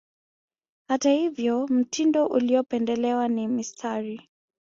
Hata hivyo mtindo uliopendelewa ni mistari